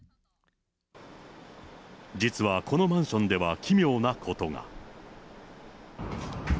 実はこのマンションでは奇妙なことが。